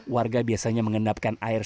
warga biasanya mengendapkan air